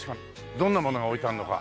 どんなものが置いてあるのか。